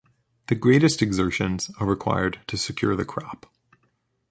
The greatest exertions are required to secure the crop.